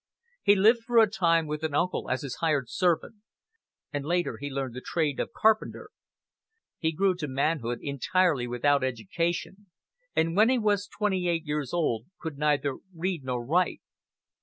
He lived for a time with an uncle as his hired servant, and later he learned the trade of carpenter. He grew to manhood entirely without education, and when he was twenty eight years old could neither read nor write.